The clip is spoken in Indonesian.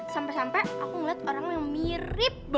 sampai sampai aku ngeliat orang yang mirip